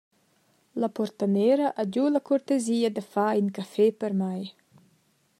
La portanera ha giu la curtesia da far in caffè per mei.